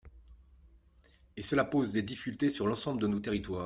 Et cela pose des difficultés sur l’ensemble de nos territoires.